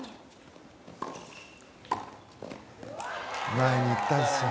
前に行ったんですよ。